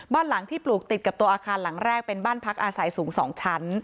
บ้านหลังที่ปลูกติดกับตัวอาคารหลังแรกเป็นบ้านพักอาศัยสูง๒ชั้น